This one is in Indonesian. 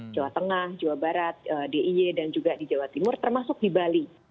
jawa tengah jawa barat diy dan juga di jawa timur termasuk di bali